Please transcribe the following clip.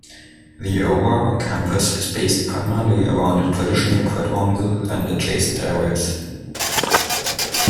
The Aurora campus is based primarily around a traditional quadrangle and adjacent areas.